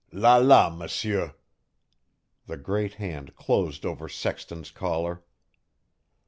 La la, M'sieur!" The great hand closed over Sexton's collar.